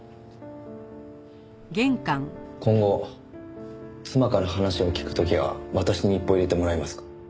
今後妻から話を聞く時は私に一報入れてもらえますか？